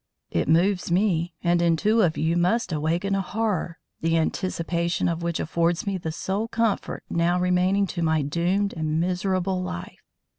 It moves me; and in two of you must awaken a horror, the anticipation of which affords me the sole comfort now remaining to my doomed and miserable life.